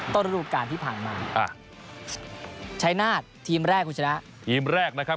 ระดูการที่ผ่านมาอ่าชัยนาศทีมแรกคุณชนะทีมแรกนะครับ